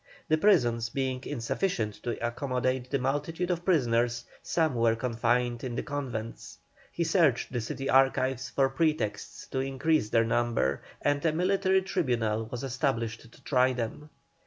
The prisons being insufficient to accommodate the multitude of prisoners, some were confined in the convents. He searched the city archives for pretexts to increase their number, and a military tribunal was established to try them.